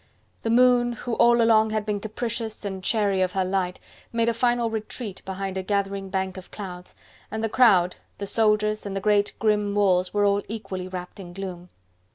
The moon, who all along had been capricious and chary of her light, made a final retreat behind a gathering bank of clouds, and the crowd, the soldiers and the great grim walls were all equally wrapped in gloom.